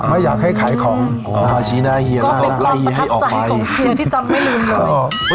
อ่าไม่อยากให้ขายของอ๋อชี้หน้าเฮียก็เป็นความประทับใจของเฮียที่จำไม่ลืมเลย